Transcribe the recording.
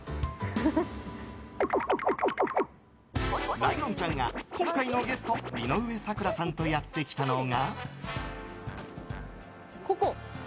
ライオンちゃんが今回のゲスト井上咲楽さんとやってきたのが。